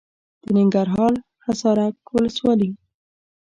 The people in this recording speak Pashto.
د ننګرهار حصارک ولسوالي .